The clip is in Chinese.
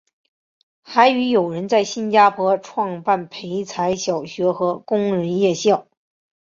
还与友人在新加坡创办培才小学和工人夜校。